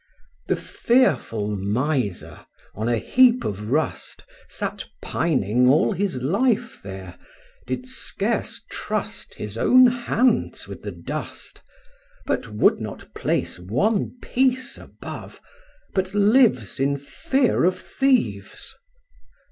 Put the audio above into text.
3. The fearful miser on a heap of rust Sat pining all his life there, did scarce trust His own hands with the dust, But would not place one piece above, but lives In fear of thieves.